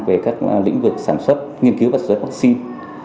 về các lĩnh vực sản xuất nghiên cứu và sử dụng vaccine